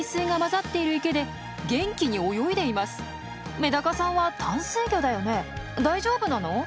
メダカさんは淡水魚だよね大丈夫なの？